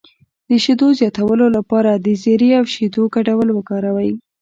د شیدو زیاتولو لپاره د زیرې او شیدو ګډول وکاروئ